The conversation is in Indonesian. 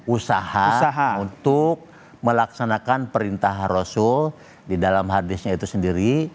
usaha untuk melaksanakan perintah rasul di dalam hadisnya itu sendiri